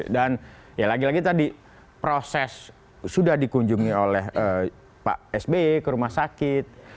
dan ya lagi lagi tadi proses sudah dikunjungi oleh pak sbe ke rumah sakit